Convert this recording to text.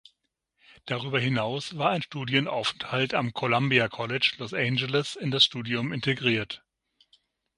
Darüber hinaus war ein Studienaufenthalt am Columbia College, Los Angeles, in das Studium integriert.